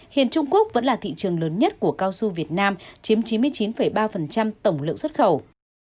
hiện trung quốc vẫn là thị trường lớn nhất của cao su việt nam chiếm chín mươi chín ba tổng lượng xuất khẩu